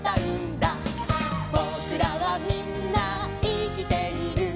「ぼくらはみんないきている」